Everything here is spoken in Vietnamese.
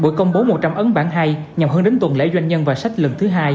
bữa công bố một trăm linh ấn bản hay nhằm hơn đến tuần lễ doanh nhân và sách lần thứ hai